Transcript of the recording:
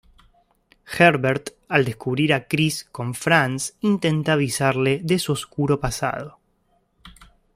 Herbert, al descubrir a Chris con Franz intenta avisarle de su oscuro pasado.